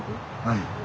はい。